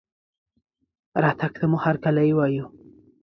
رتګ ته مو هرکلى وايو